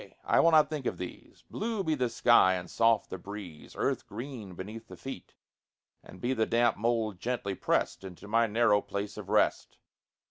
I will not think of these: Blue be the sky and soft the breeze, Earth green beneath the feet, And be the damp mold gently pressed Into my narrow place of rest.